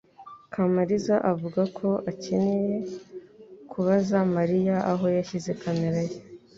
Kamaliza avuga ko akeneye kubaza Mariya aho yashyize kamera ye.